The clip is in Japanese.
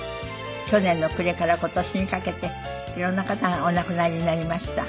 去年の暮れから今年にかけて色んな方がお亡くなりになりました。